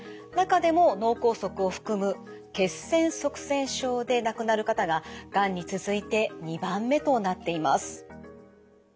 中でも脳梗塞を含む血栓塞栓症で亡くなる方ががんに続いて２番目となっています。